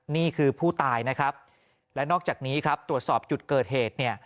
นี่คือผู้ตายและนอกจากนี้ตรวจสอบจุดเกิดเหตุ